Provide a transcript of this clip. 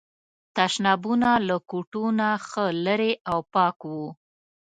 تشنابونه له کوټو نه ښه لرې او پاک وو.